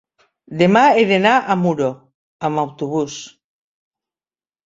Demà he d'anar a Muro amb autobús.